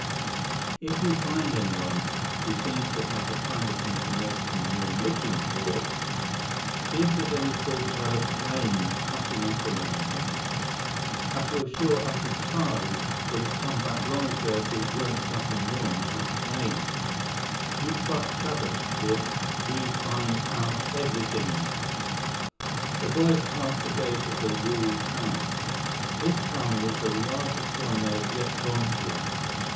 "If you find anyone who seems to have the kind of information we're looking for, see if there's any talk about a plane cracking up around here. I feel sure Uncle Charlie would have come back long ago if there weren't something wrong with his plane." "You trust Chuba, Biff. He find out everythings." The boys passed the gate of the walled town. This town was the largest one they had yet gone through.